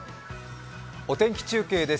お天気中継です。